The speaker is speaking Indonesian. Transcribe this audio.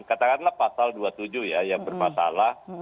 katakanlah pasal dua puluh tujuh ya yang bermasalah